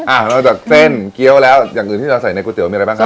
นอกจากเส้นเกี้ยวแล้วอย่างอื่นที่เราใส่ในก๋วมีอะไรบ้างครับ